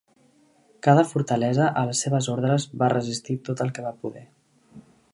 Cada fortalesa a les seves ordres va resistir tot el que va poder.